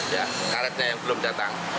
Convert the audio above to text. ya karetnya yang belum datang